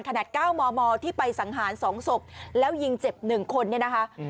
ขนาด๙มมที่ไปสังหาร๒ศพแล้วยิงเจ็บ๑คนเนี่ยนะคะ